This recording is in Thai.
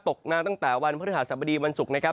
ตกมาตั้งแต่วันพฤหาสมดีวันศุกร์